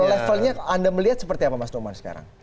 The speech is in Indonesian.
kalau levelnya anda melihat seperti apa mas norman sekarang